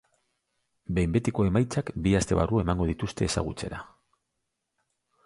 Behin betiko emaitzak bi aste barru emango dituzte ezagutzera.